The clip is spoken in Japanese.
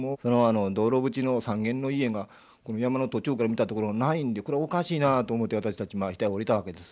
道路口の３軒の家が山の途中から見たところないんでこれおかしいなと思うて私たち下へ下りたわけです。